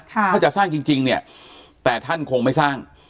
ถ้าจะสร้างจริงเนี่ยแต่ท่านคงไม่สร้าง